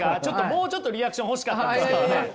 ちょっともうちょっとリアクション欲しかったんですけどね。